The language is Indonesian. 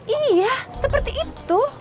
iya seperti itu